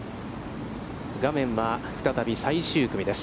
画面は、再び最終組です。